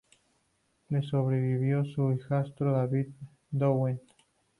Le sobrevivió su hijastro, David Downey.